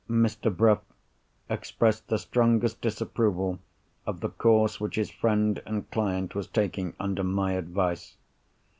Mr. Bruff expressed the strongest disapproval of the course which his friend and client was taking under my advice.